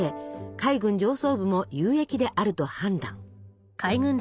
海軍上層部も有益であると判断。